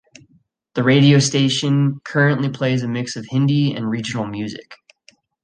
The Radio station currently plays a mix of Hindi and Regional music.